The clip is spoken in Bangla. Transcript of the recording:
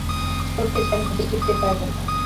চোখে যেন দেখিতে পাইল না।